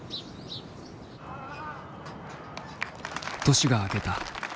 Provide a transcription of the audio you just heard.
年が明けた。